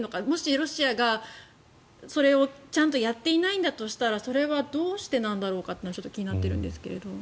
もしロシアがそれをちゃんとやっていないんだとしたらそれはどうしてなんだろうかと気になっているんですが。